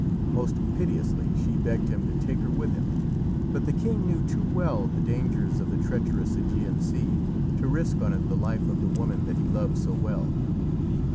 Most piteously she begged him to take her with him, but the king knew too well the dangers of the treacherous Ægean Sea to risk on it the life of the woman that he loved so well.